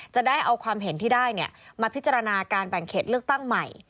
จะได้เอาความเห็นที่ได้มาพิจารณาการแบ่งเขตเลือกตั้งใหม่